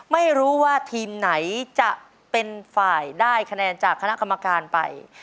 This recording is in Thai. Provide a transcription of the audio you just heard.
ไม่รู้ว่าทีมไหนจะเป็นฝ่ายได้คะแนนจากคณะกรรมการไป